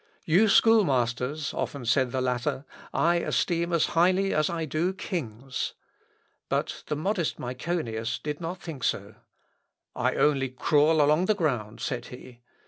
"You schoolmasters," often said the latter, "I esteem as highly as I do kings." But the modest Myconius did not think so. "I only crawl along the ground," said he.